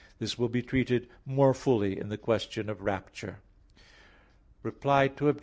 This will be treated more fully in the question of rapture (II II, Q. 175).